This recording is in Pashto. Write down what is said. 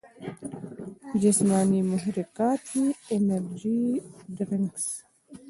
جسماني محرکات ئې انرجي ډرنکس ،